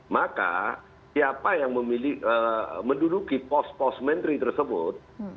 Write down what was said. maka siapa yang menduduki pos pos menteri tersebut